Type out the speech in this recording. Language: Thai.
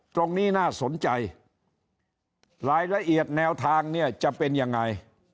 ตรงนี้น่าสนใจรายละเอียดแนวทางเนี่ยจะเป็นยังไง